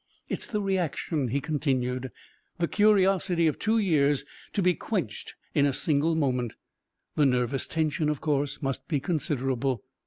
"It's the reaction," he continued. "The curiosity of two years to be quenched in a single moment! The nervous tension, of course, must be considerable."